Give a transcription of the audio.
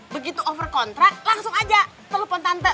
begitu over contra langsung aja telepon tante